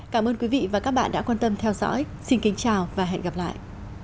cảm ơn quý vị và các bạn đã quan tâm theo dõi xin kính chào và hẹn gặp lại